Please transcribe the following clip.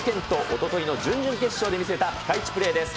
おとといの準々決勝で見せたピカイチプレーです。